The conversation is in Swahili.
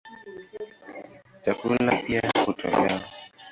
Chakula pia hutolewa.